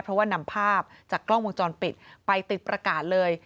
เพราะว่านำภาพจากกล้องวงจรปิดไปติดประกาศเลย